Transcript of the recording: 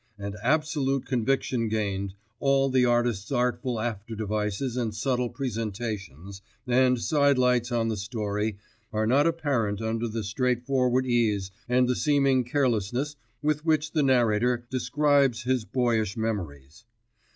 And absolute conviction gained, all the artist's artful after devices and subtle presentations and side lights on the story are not apparent under the straightforward ease and the seeming carelessness with which the narrator describes his boyish memories.